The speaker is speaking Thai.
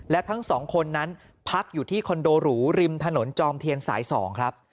และทั้งสองคนนั้นพักอยู่ที่คอนโดหรูริมถนนจอมเทียนสาย๒ครับ